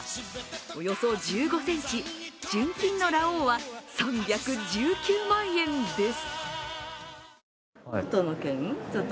およそ１５ｃｍ純金のラオウは３１９万円です。